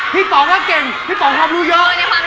ป๋องก็เก่งพี่ป๋องความรู้เยอะ